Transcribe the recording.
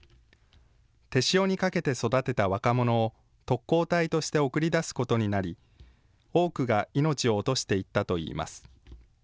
手塩にかけて育てた若者を、特攻隊として送り出すことになり、多くが命を落としていったといいます。